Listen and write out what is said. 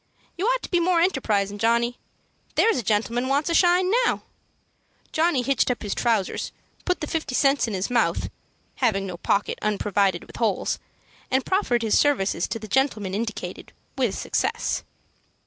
You ought to be more enterprisin', Johnny. There's a gentleman wants a shine now." Johnny hitched up his trousers, put the fifty cents in his mouth, having no pocket unprovided with holes, and proffered his services to the gentleman indicated, with success.